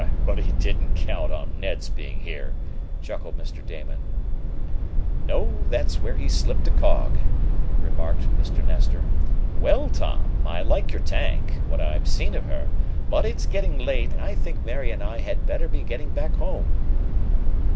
"But he didn't count on Ned's being here!" chuckled Mr. Damon. "No; that's where he slipped a cog," remarked Mr. Nestor. "Well, Tom, I like your tank, what I've seen of her, but it's getting late and I think Mary and I had better be getting back home."